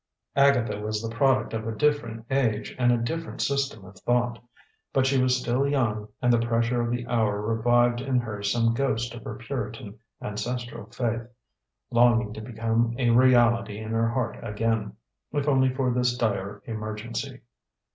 Agatha was the product of a different age and a different system of thought. But she was still young, and the pressure of the hour revived in her some ghost of her Puritan ancestral faith, longing to become a reality in her heart again, if only for this dire emergency.